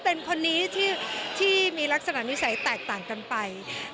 เป็นคนนี้ที่มีลักษณะนิสัยแตกต่างกันไป